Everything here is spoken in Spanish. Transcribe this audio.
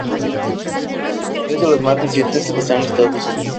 Tres de los más recientes están listados aquí.